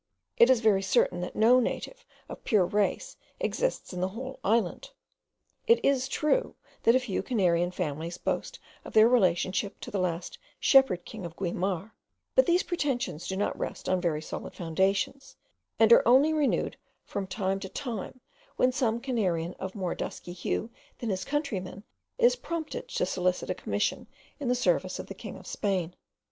It is very certain that no native of pure race exists in the whole island. It is true that a few Canarian families boast of their relationship to the last shepherd king of Guimar, but these pretensions do not rest on very solid foundations, and are only renewed from time to time when some Canarian of more dusky hue than his countrymen is prompted to solicit a commission in the service of the king of Spain.